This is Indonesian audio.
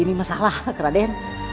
ini masalah raden